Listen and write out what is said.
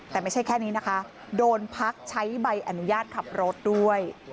แต่ไม่ใช่แค่นี้นะคะโดนพักใช้ใบอนุญาตขับรถด้วย